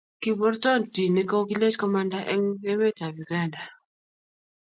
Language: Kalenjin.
kibortotinik kokikilech komanda eng emetab uganda